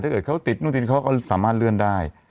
เกิดเขาติดนู่นติดนี่เขาก็สามารถเลื่อนได้